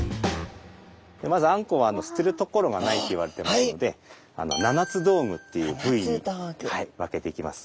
まずあんこうは捨てる所がないといわれてますので七つ道具っていう部位に分けていきます。